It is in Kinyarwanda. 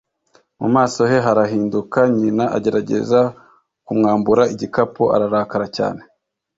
Mu maso he harahinduka, nyina agerageza kumwambura igikapu, ararakara cyane.